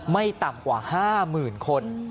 ไม่ต่ำกว่าห้าหมื่นคน